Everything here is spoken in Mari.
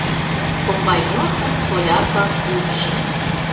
Комбайнеркын соляркан ӱпшым